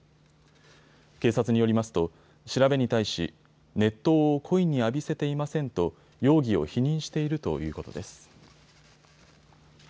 警察によりますと調べに対し、熱湯を故意に浴びせていませんと容疑を否認しているということです。